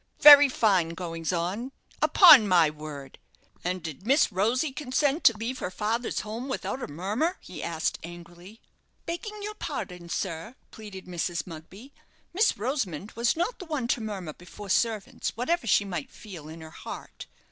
"Very fine goings on, upon my word! And did Miss Rosy consent to leave her father's home without a murmur?" he asked, angrily. "Begging your pardon, sir," pleaded Mrs. Mugby, "Miss Rosamond was not the one to murmur before servants, whatever she might feel in her heart.